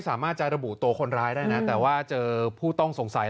สามารถจะระบุตัวคนร้ายได้นะแต่ว่าเจอผู้ต้องสงสัย